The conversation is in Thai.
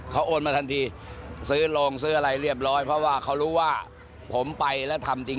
เขาโอนมาทันทีซื้อโรงซื้ออะไรเรียบร้อยเพราะว่าเขารู้ว่าผมไปแล้วทำจริง